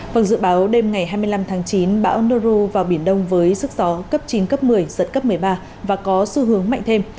vâng dự báo đêm ngày hai mươi năm tháng chín bão noru vào biển đông với sức gió cấp chín cấp một mươi giật cấp một mươi ba và có xu hướng mạnh thêm